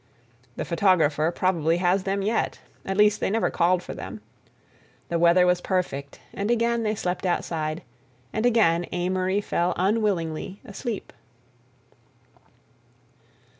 The photographer probably has them yet—at least, they never called for them. The weather was perfect, and again they slept outside, and again Amory fell unwillingly asleep.